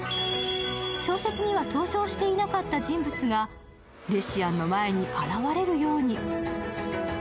小説には登場していなかった人物がレシアンの前に現れるように。